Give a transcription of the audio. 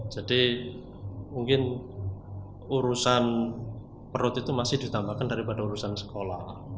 mungkin urusan perut itu masih ditambahkan daripada urusan sekolah